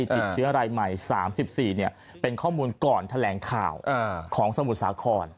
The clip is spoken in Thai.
ติดเชื้อรายใหม่๓๔เป็นข้อมูลก่อนแถลงข่าวของสมุทรสาคร